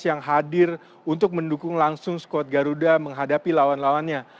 yang hadir untuk mendukung langsung skuad garuda menghadapi lawan lawannya